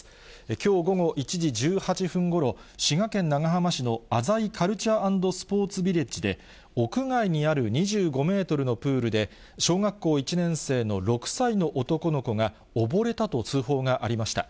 きょう午後１時１８分ごろ、滋賀県長浜市のあざいカルチャーアンドスポーツビレッジで、屋外にある２５メートルのプールで、小学校１年生の６歳の男の子が溺れたと通報がありました。